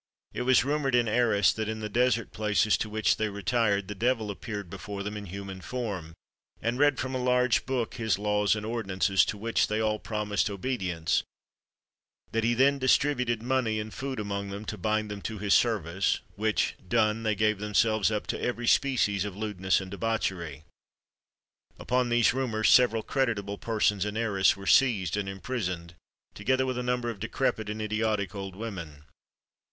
It was rumoured in Arras that in the desert places to which they retired the devil appeared before them in human form, and read from a large book his laws and ordinances, to which they all promised obedience; that he then distributed money and food among them, to bind them to his service, which done, they gave themselves up to every species of lewdness and debauchery. Upon these rumours several creditable persons in Arras were seized and imprisoned, together with a number of decrepit and idiotic old women.